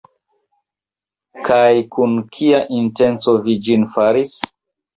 Kaj kun kia intenco vi ĝin faris?